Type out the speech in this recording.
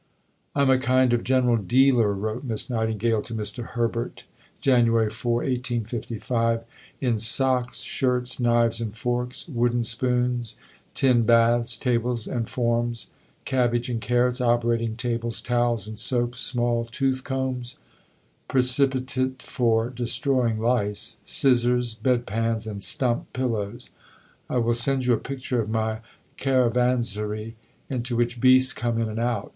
" "I am a kind of General Dealer," wrote Miss Nightingale to Mr. Herbert (Jan. 4, 1855), "in socks, shirts, knives and forks, wooden spoons, tin baths, tables and forms, cabbage and carrots, operating tables, towels and soap, small tooth combs, precipitate for destroying lice, scissors, bedpans and stump pillows. I will send you a picture of my Caravanserai, into which beasts come in and out.